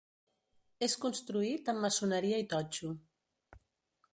És construït amb maçoneria i totxo.